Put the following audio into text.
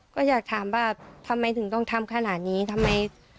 ก็อยากถามว่าทำไมถึงต้องทำขนาดนี้ทำไม